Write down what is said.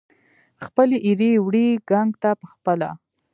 خپلې ایرې وړي ګنګ ته پخپله